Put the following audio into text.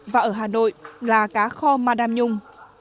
và ở hà nội là cá kho ma đam nhung